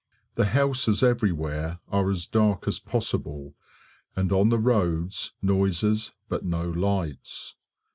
The houses everywhere are as dark as possible, and on the roads noises but no lights.